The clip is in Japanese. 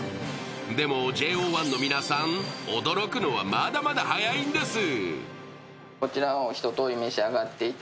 でもＪＯ１の皆さん驚くのはまだまだ早いんです。